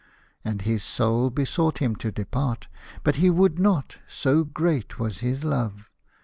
And his Soul besought him to depart, but he would not, so great was his love.